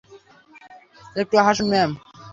একটু হাসুন, ম্যাম!